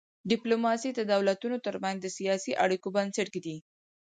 ډیپلوماسي د دولتونو ترمنځ د سیاسي اړیکو بنسټ ایږدي.